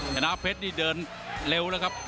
ชนะเพชรนี่เดินเร็วแล้วครับ